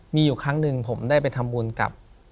มีอยู่ครั้งหนึ่งผมได้ไปทำบุญกับ